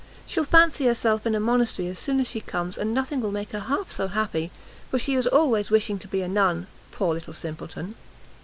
She'll fancy herself in a monastery as soon as she comes, and nothing will make her half so happy, for she is always wishing to be a Nun, poor little simpleton.